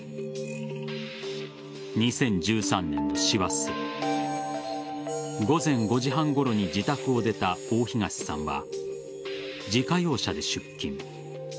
２０１３年の師走午前５時半ごろに自宅を出た大東さんは自家用車で出勤。